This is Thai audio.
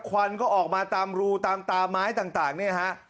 ควันก็ออกมาตามรูตามตาไม้ต่างเนี่ยฮะ